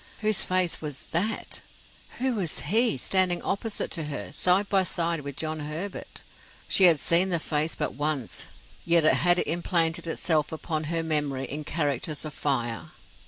Whose face was that, who was he, standing opposite to her, side by side with John Herbert? She had seen the face but once, yet it had implanted itself upon her memory in characters of fire.